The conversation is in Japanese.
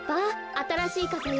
あたらしいかさよ。